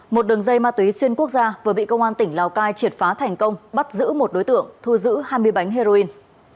một đường dây ma túy xuyên quốc gia vừa bị công an tỉnh lào cai triệt phá thành công bắt giữ một đối tượng thu giữ hai mươi bánh heroin